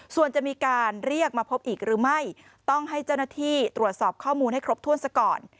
ส่วนจะมีการเรียกมาพบอีกหรือไม่ต้องให้เจ้าหน้าที่ตรวจสอบข้อมูลให้ครบถ้วนซะก่อน